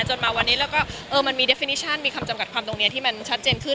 จนมาวันนี้แล้วก็มีคำจำกัดความตรงนี้ที่มันชัดเจนขึ้น